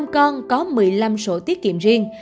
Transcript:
một mươi năm con có một mươi năm sổ tiết kiệm riêng